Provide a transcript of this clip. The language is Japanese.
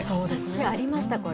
私、ありました。